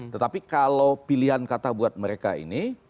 tetapi kalau pilihan kata buat mereka ini